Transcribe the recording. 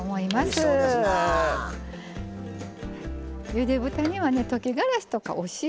ゆで豚にはね溶きがらしとかお塩